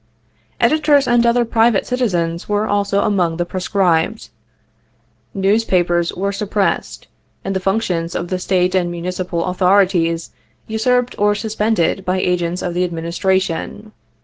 Editors and other private citizens were also among the proscribed. Newspapers were sup pressedj and the functions of the State and Municipal au thorities usurped or suspended by agents of the Adminis tration.